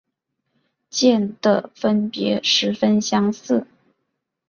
间的分别十分相似。